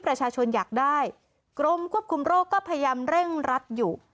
ประชาชนอยากได้กรมควบคุมโรคก็พยายามเร่งรัดอยู่